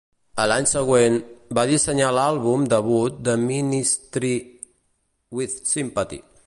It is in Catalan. A l'any següent, va dissenyar l'àlbum debut de Ministry, "With Sympathy".